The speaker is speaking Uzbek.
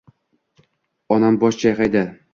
Onam bosh chayqadi.